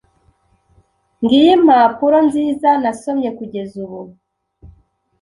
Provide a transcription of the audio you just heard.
Ngiyo impapuro nziza nasomye kugeza ubu.